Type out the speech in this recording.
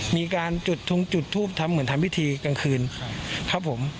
มีการจุดทงจุดทูปทำเหมือนทำพิธีกลางคืนครับผม